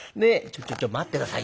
「ちょちょ待って下さいよ。